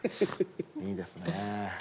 いいですね。